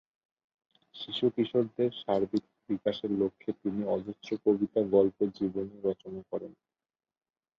শিশু-কিশোরদের সার্বিক বিকাশের লক্ষ্যে তিনি অজস্র কবিতা, গল্প, জীবনী রচনা করেন।